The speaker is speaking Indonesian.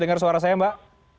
dengar suara saya mbak